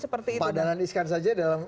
seperti itu padanan iskan saja dalam